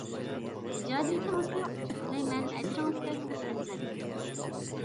ئىجادىيىتىڭىزگە ئۇتۇق تىلەيمەن، ئەجرىڭىزگە كۆپ رەھمەت!